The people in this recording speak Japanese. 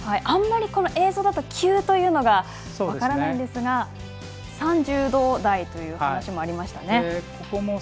あんまり、この映像だと急だと分からないんですが３０度台という話もありました。